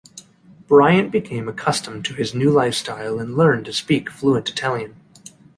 Bryant became accustomed to his new lifestyle and learned to speak fluent Italian.